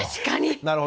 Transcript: なるほどね。